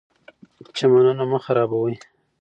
چمنونه مه خرابوئ.